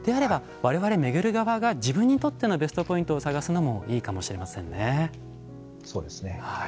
われわれ巡る側が自分にとってのベストポイントを探すのもいいかもしれませんね。